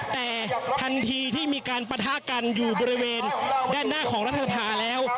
แต่ทันทีที่มีการปะทะกันอยู่บริเวณด้านหน้าของรัฐภาแล้ว